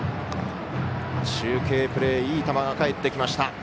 中継プレーいい球が返ってきました。